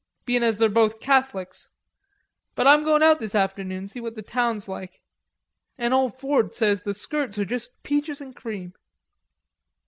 Bein' as they're both Catholics... But I'm goin' out this afternoon, see what the town's like... an ole Ford says the skirts are just peaches an' cream."